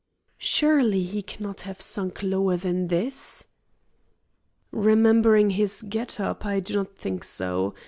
"Surely he cannot have sunk lower than this." "Remembering his get up I do not think so.